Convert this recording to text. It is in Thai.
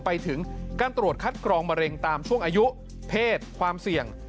ไปถึงการตรวจคัดกรองมะเร็งตามช่วงอายุเพศความเสี่ยง